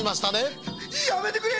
やめてくれ！